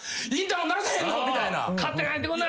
「勝手に入ってくんな！」